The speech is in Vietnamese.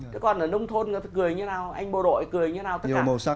cái còn ở nông thôn người ta cười như thế nào anh bộ đội cười như thế nào